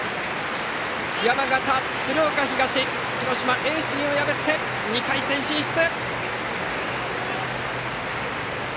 山形・鶴岡東が広島・盈進を破って２回戦進出！